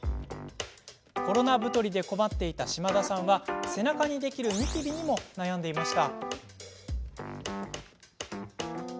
コロナ太りで困っていた島田さんは背中にできるニキビにも悩んでいました。